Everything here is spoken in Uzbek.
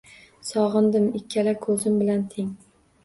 Sog’indim ikkala ko’zim bilan teng